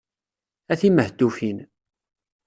A timehtufin!